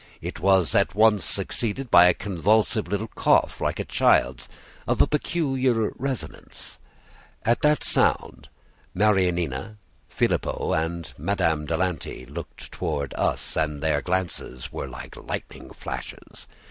It was at once succeeded by a convulsive little cough like a child's, of a peculiar resonance. At that sound, Marianina, Filippo, and Madame de Lanty looked toward us, and their glances were like lightning flashes.